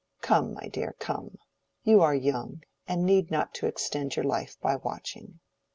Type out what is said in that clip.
"Come, my dear, come. You are young, and need not to extend your life by watching."